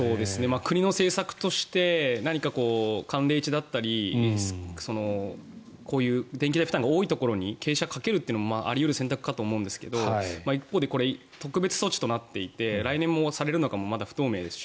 国の政策として何か寒冷地だったりこういう電気代負担が大きいところに傾斜をかけるのもあり得る選択かと思うんですが一方で、特別措置となっていて来年もされるのかも不透明ですし。